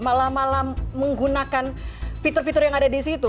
malah malah menggunakan fitur fitur yang ada di situ